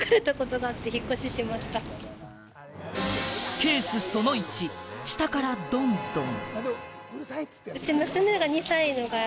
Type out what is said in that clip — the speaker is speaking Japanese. ケースその１、下からドンドン。